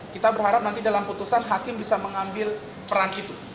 kita berharap nanti dalam putusan hakim bisa mengambil peran itu